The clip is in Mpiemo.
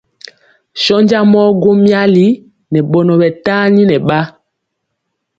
Sɔnja mɔ gwo myali nɛ ɓɔnɔ ɓɛ tani nɛ ɓa.